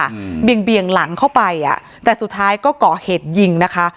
นางสาวปิยานุษย์นะคะเบี่ยงหลังเข้าไปอ่ะแต่สุดท้ายก็เกาะเหตุยิงนะคะ